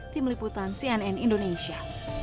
tim liputan cnn indonesia